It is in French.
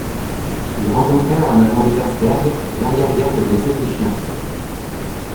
Ils rencontrèrent en avant d'Ebersberg l'arrière-garde des Autrichiens.